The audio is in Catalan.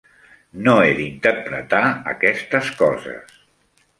No he d'interpretar aquestes coses.